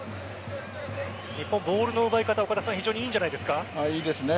日本、ボールの奪い方非常に良いんじゃないですか？